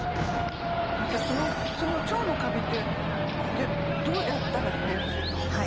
先生その腸のカビってどうやったら減らせるんですか？